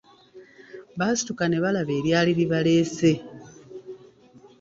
Baasituka ne balaba eryali libaleese.